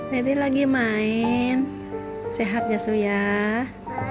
lady lagi main sehat su yah